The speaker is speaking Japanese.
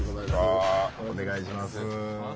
お願いします。